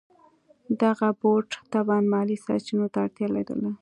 دغه بورډ طبعاً مالي سرچینو ته اړتیا لرله.